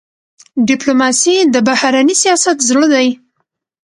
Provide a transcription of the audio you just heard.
ډيپلوماسي د بهرني سیاست زړه دی.